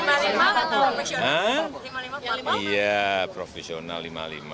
apakah partai politik menerima dengan komposisi seperti itu